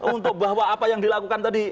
untuk bahwa apa yang dilakukan tadi